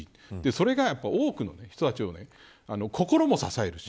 それが多くの人たちを心も支えるし。